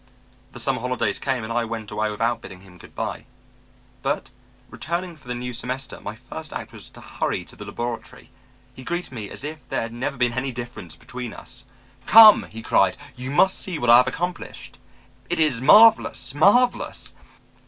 The summer holidays came and I went away without bidding him good by. But returning for the new semester, my first act was to hurry to the laboratory. He greeted me as if there had never been any difference between us. "'Come,' he cried; 'you must see what I have accomplished. It is marvelous, marvelous.'